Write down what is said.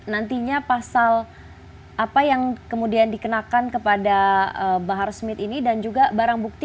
nantinya pasal apa yang kemudian dikenakan kepada bahar smith ini dan juga barang bukti